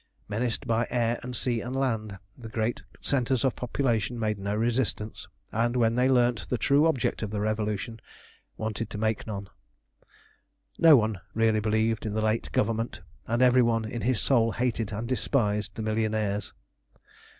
Menaced by air and sea and land, the great centres of population made no resistance, and, when they learnt the true object of the Revolution, wanted to make none. No one really believed in the late Government, and every one in his soul hated and despised the millionaires.